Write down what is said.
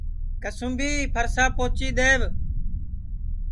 کسُُونٚمبی پھرساپ پوچی دؔیوَ